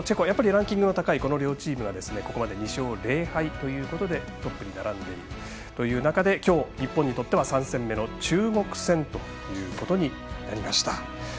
やっぱりランキングの高いこの両チームがここまで２勝０敗ということでトップに並んでいるという中できょう、日本にとっては３戦目の中国戦となりました。